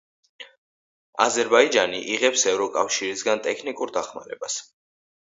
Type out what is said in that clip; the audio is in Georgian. აზერბაიჯანი იღებს ევროკავშირისგან ტექნიკურ დახმარებას.